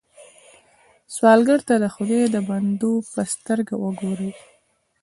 سوالګر ته د خدای د بندو په سترګه وګورئ